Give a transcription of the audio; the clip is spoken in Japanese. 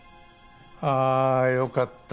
ああよかった。